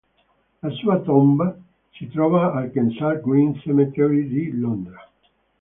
La sua tomba si trova al Kensal Green Cemetery di Londra.